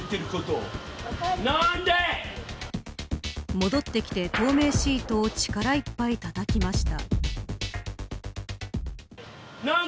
戻ってきて、透明シートを力いっぱいたたきました。